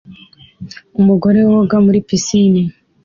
Umugore woga muri pisine